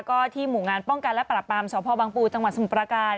ก็ที่หมู่งานป้องกันและปรับปรามสพบังปูจังหวัดสมุทรประการ